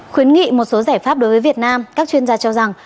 khuyến nghị một số giải pháp đối với việt nam các chuyên gia cho rằng